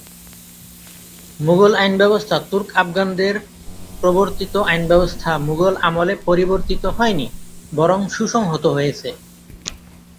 মুগল আইনব্যবস্থা তুর্ক-আফগানদের প্রবর্তিত আইনব্যবস্থা মুগল আমলে পরিবর্তিত হয় নি, বরং সুসংহত হয়েছে।